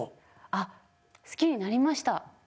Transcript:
あっ好きになりました。